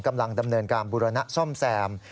กำลังดำเนินการบุรณะซ่อมแซม